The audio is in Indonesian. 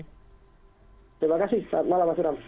terima kasih selamat malam mas iram